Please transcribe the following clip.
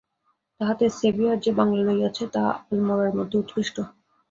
তাহাতে সেভিয়ার যে বাংলা লইয়াছে, তাহা আলমোড়ার মধ্যে উৎকৃষ্ট।